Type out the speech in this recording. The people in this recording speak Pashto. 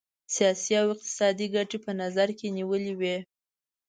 سیاسي او اقتصادي ګټي په نظر کې نیولي وې.